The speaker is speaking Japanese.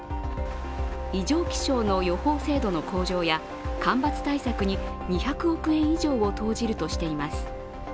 異常気象の予報精度の向上や干ばつ対策に２００億円以上を投じるとしています。